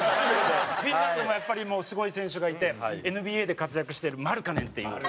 フィンランドもやっぱりすごい選手がいてＮＢＡで活躍してるマルカネンっていう。